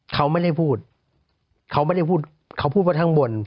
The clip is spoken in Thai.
เขามันไม่ได้พูดเขาพูดผ่านทางบน